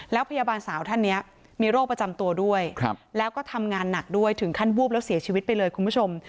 แล้วพยาบาลสาวท่านนี้มีโรคประจำตัวด้วยแล้วก็ทำงานหนักด้วยถึงขั้นวูบแล้วเสียชีวิตไปเลยคุณผู้ชม